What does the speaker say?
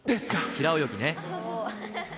平泳ぎね。